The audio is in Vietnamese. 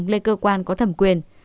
phương hằng lên cơ quan có thẩm quyền